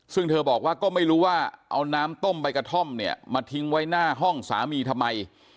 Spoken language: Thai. ซึ่งเธอบอกว่าก็ไม่รู้ว่าเอาน้ำต้มใบกระท่อมเนี่ยมาทิ้งไว้หน้าห้องสามีทำไม